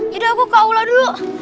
yaudah aku ke aula dulu